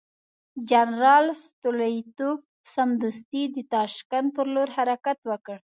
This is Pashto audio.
جنرال ستولیتوف سمدستي د تاشکند پر لور حرکت وکړ.